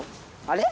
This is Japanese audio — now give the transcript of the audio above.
あれ